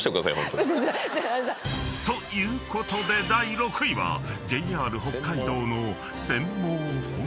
［ということで第６位はＪＲ北海道の］